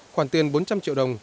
khoản tiền bốn trăm linh triệu đồng